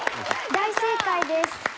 大正解です。